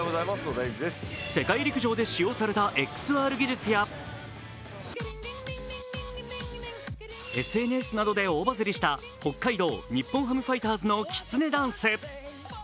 世界陸上で使用されたＸＲ技術やＳＮＳなどで大バズリした北海道日本ハムファイターズのきつねダンス。